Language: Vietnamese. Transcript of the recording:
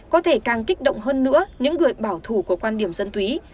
có thể càng kích động hơn nữa những người bảo thủ của quan điểm dân túy